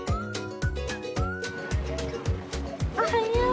おはよう！